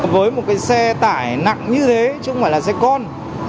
với một cái xe tải nặng như thế chứ không phải là xe con